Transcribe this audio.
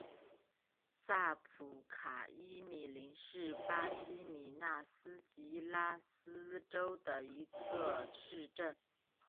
萨普卡伊米林是巴西米纳斯吉拉斯州的一个市镇。